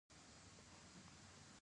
د ګناه د مینځلو لپاره باید څه شی وکاروم؟